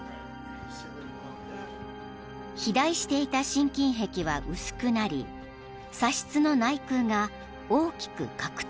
［肥大していた心筋壁は薄くなり左室の内腔が大きく拡張］